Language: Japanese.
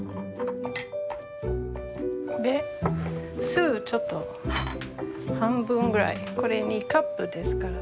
酢をちょっと半分ぐらいこれ２カップですから。